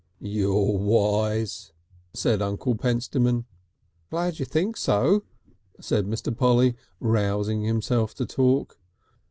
"You're wise," said Uncle Pentstemon. "Glad you think so," said Mr. Polly, rousing himself to talk.